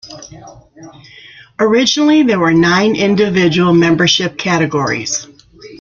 Originally there were nine individual membership categories.